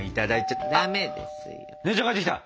あっ姉ちゃん帰ってきた！